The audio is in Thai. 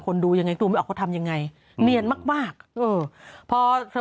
ดูยังไงดูไม่ออกเขาทำยังไงเนียนมากมากเออพอ